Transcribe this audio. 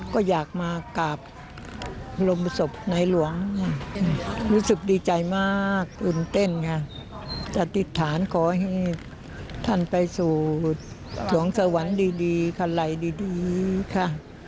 ก็อยากมากราบรมศพในหลวงรู้สึกดีใจมากตื่นเต้นค่ะปฏิฐานขอให้ท่านไปสู่สวงสวรรค์ดีขลัยดีค่ะ